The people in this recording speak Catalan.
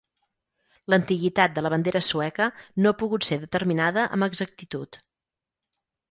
L'antiguitat de la bandera sueca no ha pogut ser determinada amb exactitud.